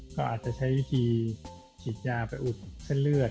ก็อาจจะใช้วิธีฉีดยาไปอุดเส้นเลือด